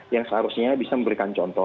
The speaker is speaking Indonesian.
yang seharusnya bisa memberikan contoh